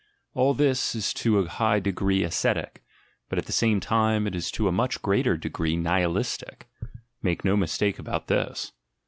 All this is to a high degree ascetic, ut at the same time it is to a much greater degree nihi stic; make no mistake about this!